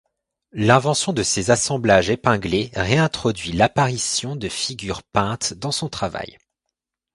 L'invention de ces assemblages épinglés réintroduit l'apparition de figures peintes dans son travail.